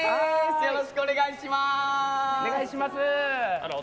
よろしくお願いします。